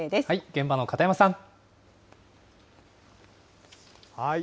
現場の片山さん。